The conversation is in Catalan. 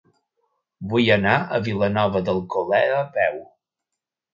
Vull anar a Vilanova d'Alcolea a peu.